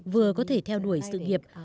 vừa có thể theo đuổi sự nghiệp